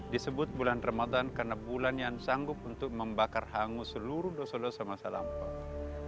disebut bulan ramadan karena bulan yang sanggup untuk membakar hangus seluruh dosa dosa masa lampau